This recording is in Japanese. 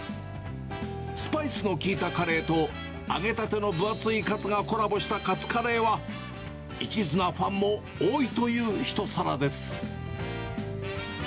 スパイスの効いたカレーと、揚げたての分厚いカツがコラボしたカツカレーは、一途なファンも多いという一皿です。